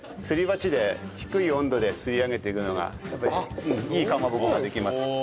すり鉢で低い温度ですり上げていくのがやっぱりいいかまぼこができます。